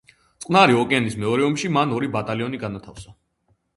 წყნარი ოკეანის მეორე ომში, მან ორი ბატალიონი განათავსა.